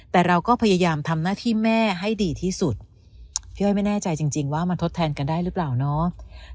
แต่เราก็พยายามทำหน้าที่แม่ให้ดีที่สุดพี่อ้อยไม่แน่ใจจริงว่ามันทดแทนกันได้หรือเปล่าเนาะ